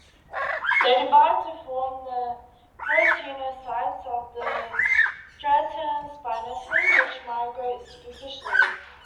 They divide to form the keratinocytes of the "stratum spinosum", which migrate superficially.